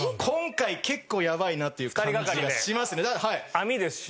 網ですしね。